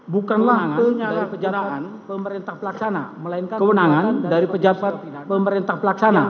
bukanlah kewenangan dari pejabat pemerintah pelaksana